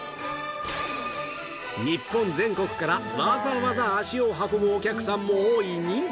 日本全国からわざわざ足を運ぶお客さんも多い人気店